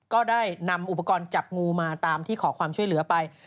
ก็ได้นำอุปกรณ์จับงูมาตามที่ขอความช่วยเหลือไป